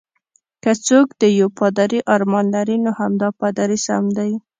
که څوک د یو پادري ارمان لري، نو همدا پادري سم دی.